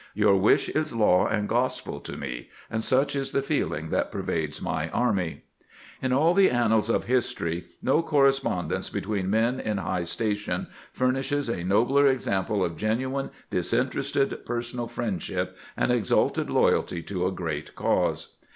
Your wish is law and gospel to me, and such is the feeling that pervades my army." In all the annals of history no correspondence be tween men in high station furnishes a nobler example of genuine, disinterested personal friendship and exalted loyalty to a great cause.